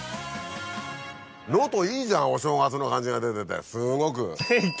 能登いいじゃんお正月の感じが出ててすごく。